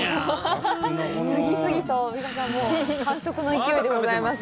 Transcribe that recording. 次々と、美佳さん、完食の勢いでございます。